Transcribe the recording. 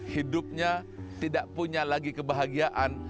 hidupnya tidak punya lagi kebahagiaan